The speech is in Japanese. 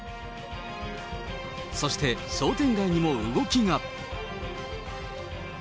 そして商店街にも動きが。